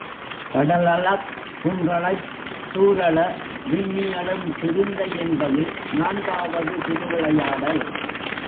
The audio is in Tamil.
கடலழக் குன்றழச் சூரழ விம்மி அழும், குருந்தை என்பது நான்காவது திருவிளையாடல்.